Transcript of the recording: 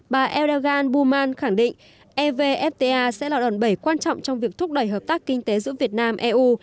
bà erdogan buman khẳng định evfta sẽ là đòn bẩy quan trọng trong việc thúc đẩy hợp tác kinh tế giữa việt nam eu